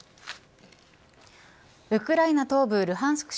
ウクライナ東部ルハンスク